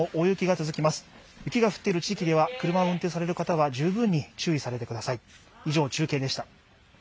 雪が降っている地域では車を運転される方は十分に注意してください。